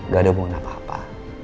gak ada hubungan apa apa